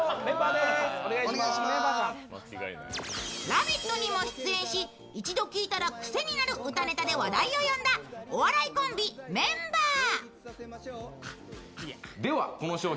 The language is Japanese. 「ラヴィット！」にも出演し一度聞いたらくせになる歌ネタで話題を呼んだお笑いコンビ、メンバー。